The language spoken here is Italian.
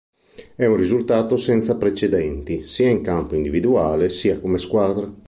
È un risultato senza precedenti sia in campo individuale, sia come squadra.